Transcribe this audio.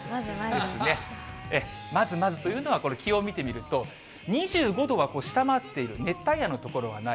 まずまずというのは、この気温見てみると、２５度は下回っている、熱帯夜の所はない。